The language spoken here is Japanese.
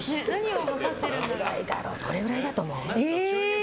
どれくらいだと思う？